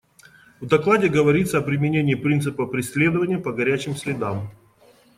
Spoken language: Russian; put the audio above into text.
В докладе говорится о применении принципа «преследования по горячим следам».